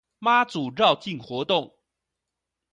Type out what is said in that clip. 媽祖繞境活動